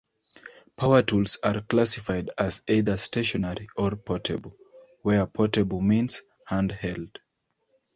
Power tools are classified as either stationary or portable, where portable means hand-held.